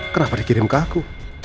kenapa dikirim ke aku